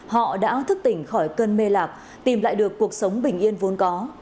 họ đã thức tỉnh khỏi cơn mê lạc tìm lại được cuộc sống bình yên vốn có